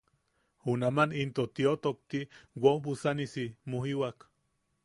Junaman in tio tokti woobusanisi mujiwak.